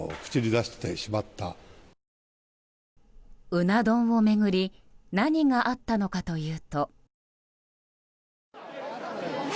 うな丼を巡り何があったのかというと。